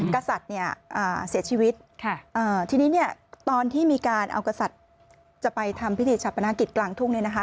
กษัตริย์เสียชีวิตทีนี้ตอนที่มีการเอากษัตริย์จะไปทำพิธีชาปนากิจกลางทุ่ง